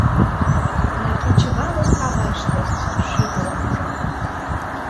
— Мый кечывалым каваште шӱдырым ужам...